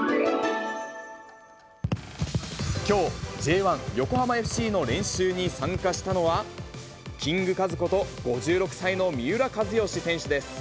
きょう、Ｊ１・横浜ＦＣの練習に参加したのは、キングカズこと、５６歳の三浦知良選手です。